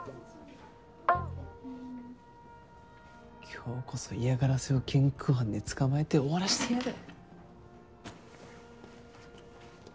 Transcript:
今日こそ嫌がらせを現行犯で捕まえて終わらしてやる。